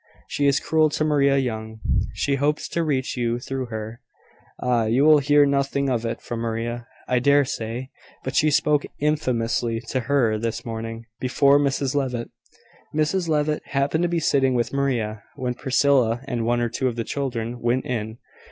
She is cruel to Maria Young. She hopes to reach you through her. Ah! you will hear nothing of it from Maria, I dare say; but she spoke infamously to her this morning, before Mrs Levitt. Mrs Levitt happened to be sitting with Maria, when Priscilla and one or two of the children went in.